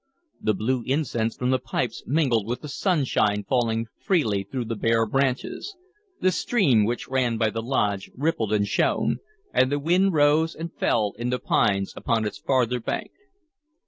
The blue incense from the pipes mingled with the sunshine falling freely through the bare branches; the stream which ran by the lodge rippled and shone, and the wind rose and fell in the pines upon its farther bank.